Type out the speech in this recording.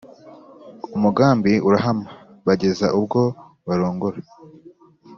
umugambi urahama; bageza ubwo barongora.